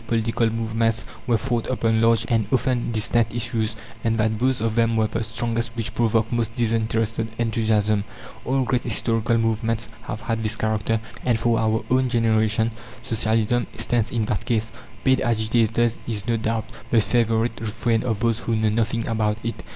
But every experienced politician knows that all great political movements were fought upon large and often distant issues, and that those of them were the strongest which provoked most disinterested enthusiasm. All great historical movements have had this character, and for our own generation Socialism stands in that case. "Paid agitators" is, no doubt, the favourite refrain of those who know nothing about it.